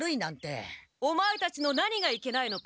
オマエたちの何がいけないのか